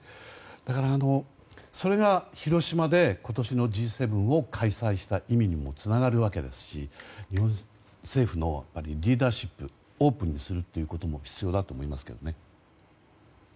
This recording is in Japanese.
だから、それが広島で今年のＧ７を開催した意味にもつながるわけですし日本政府のリーダーシップオープンにするということも必要だと思いますけどね。